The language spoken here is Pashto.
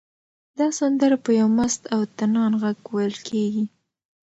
دا سندره په یو مست او طنان غږ ویل کېږي.